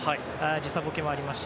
時差ボケもありますし。